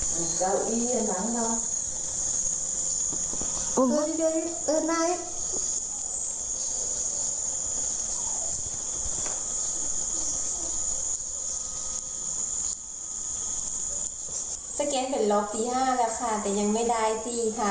สะเกียจเป็นรอบที๕แล้วยังไม่ได้ตีค่ะ